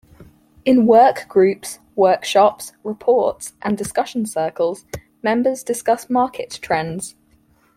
In work groups, workshops, reports and discussion circles, members discuss market trends.